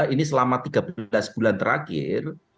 ini selama tiga belas bulan terakhir